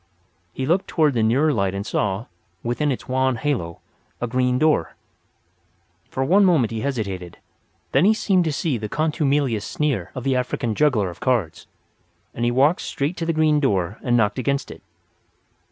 He looked toward the nearer light and saw, within its wan halo, a green door. For one moment he hesitated; then he seemed to see the contumelious sneer of the African juggler of cards; and then he walked straight to the green door and knocked against it.